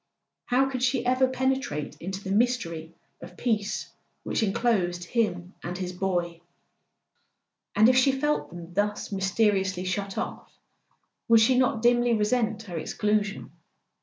How could she ever penetrate into the mystery of peace which enclosed him and his boy ? And if she felt them thus mysteriously shut off would she not dimly resent her exclusion?